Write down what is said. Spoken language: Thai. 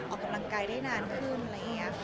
ออกกำลังกายได้นานขึ้นอะไรอย่างนี้